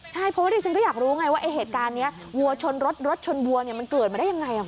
ใช่เพราะว่าดิฉันก็อยากรู้ไงว่าไอ้เหตุการณ์นี้วัวชนรถรถชนวัวเนี่ยมันเกิดมาได้ยังไง